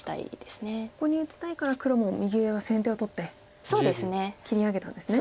ここに打ちたいから黒も右上は先手を取って切り上げたんですね。